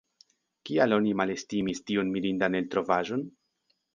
Kial oni malestimis tiun mirindan eltrovaĵon?